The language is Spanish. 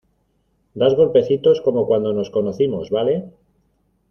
das golpecitos como cuando nos conocimos, ¿ vale?